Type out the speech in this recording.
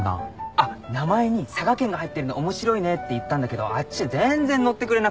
あっ名前に「佐賀県」が入ってるの面白いねって言ったんだけどあっちは全然乗ってくれなくて。